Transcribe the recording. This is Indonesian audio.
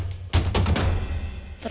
ya aku sama